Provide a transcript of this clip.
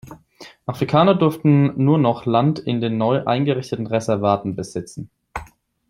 Afrikaner durften nur noch Land in den neu eingerichteten Reservaten besitzen.